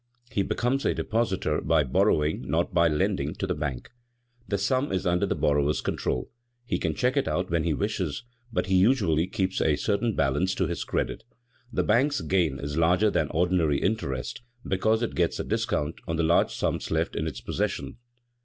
He becomes a depositor by borrowing, not by lending to the bank. The sum is under the borrower's control; he can check it out when he wishes; but he usually keeps a certain balance to his credit. The bank's gain is larger than ordinary interest, because it gets a discount on the large sums left in its possession.